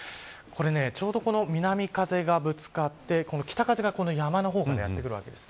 ちょうど南風がぶつかって北風が山の方からやってくるわけです。